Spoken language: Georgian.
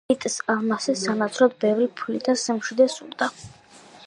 პიტს ალმასის სანაცვლოდ ბევრი ფული და სიმშვიდე სურდა.